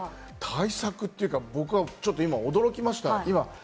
対策というか、僕は今、驚きました。